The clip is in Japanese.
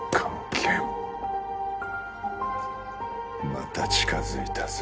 また近付いたぞ。